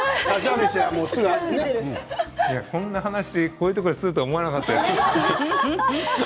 こんな話こんなところですると思わなかったです。